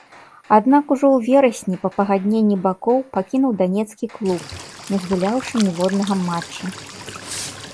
Аднак ужо верасні па пагадненні бакоў пакінуў данецкі клуб, не згуляўшы ніводнага матча.